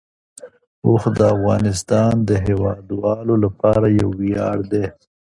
اوښ د افغانستان د هیوادوالو لپاره یو ویاړ دی.